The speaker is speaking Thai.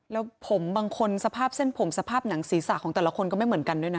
แล้วผมบางคนสภาพเส้นผมสภาพหนังศีรษะของแต่ละคนก็ไม่เหมือนกันด้วยนะ